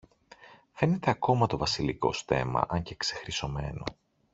Φαίνεται ακόμα το βασιλικό στέμμα, αν και ξεχρυσωμένο.